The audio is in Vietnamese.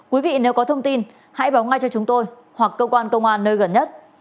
quý vị nếu có thông tin hãy báo ngay cho chúng tôi hoặc cơ quan công an nơi gần nhất